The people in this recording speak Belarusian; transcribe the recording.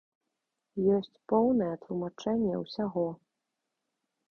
Ёсць поўнае тлумачэнне ўсяго.